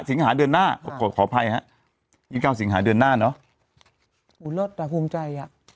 สิงหาเดือนหน้าขออภัยฮะยิงเก้าสิงหาเดือนหน้าเนอะโหรสแต่ภูมิใจอ่ะ